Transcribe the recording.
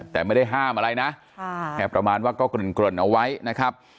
แต่ไม่ได้ห้ามอะไรนะแค่ประมาณว่าก็เกริ่นเอาไว้นะครับ